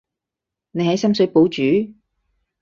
你喺深水埗住？